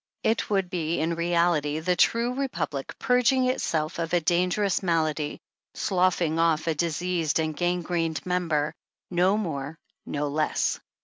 It would be in reality the true Republic purging itself of a dangerous malady, sloughing off a diseased and gangrened member ; no more, no less.